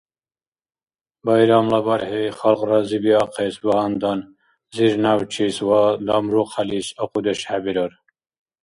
Байрамла бархӀи, халкь разибиахъес багьандан, зирнявчис ва дамрухъялис акьудеш хӀебирар.